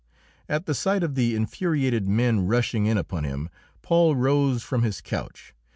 At the sight of the infuriated men rushing in upon him, Paul rose from his couch.